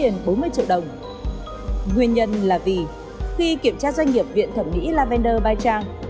nguyên nhân là vì khi kiểm tra doanh nghiệp viện thẩm mỹ lavender vai trang